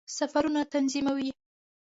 سفرونه تنظیموي.